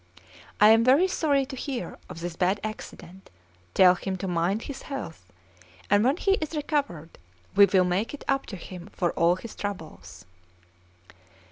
I am very sorry to hear of his bad accident; tell him to mind his health, and when he is recovered, we will make it up to him for all his troubles."